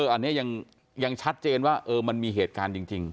อันนี้ยังชัดเจนว่ามันมีเหตุการณ์จริง